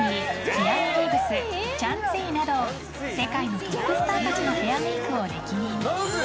キアヌ・リーブスチャン・ツィイーなど世界のトップスターたちのヘアメイクを歴任。